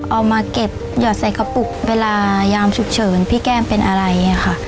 เอามาเก็บหยอดใส่กระปุกเวลายามฉุกเฉินพี่แก้มเป็นอะไรค่ะ